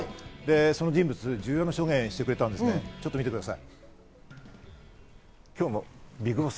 その人物が重要な証言をしてくれたのでちょっと見てください。